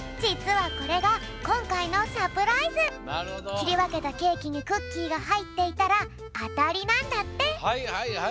きりわけたケーキにクッキーがはいっていたらアタリなんだって！